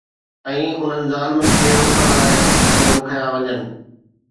۽ انهن ظالمن کي روڪڻ لاءِ سخت قدم کنيا وڃن